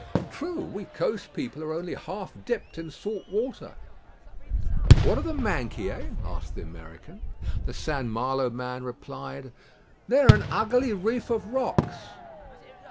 "True; we coast people are only half dipped in salt water." "What are the Minquiers?" asked the American. The St. Malo man replied: "They are an ugly reef of rocks."